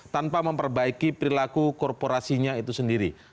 tanpa memperbaiki perilaku korporasinya itu sendiri